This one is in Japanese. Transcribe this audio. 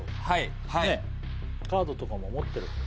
はいカードとかも持ってる？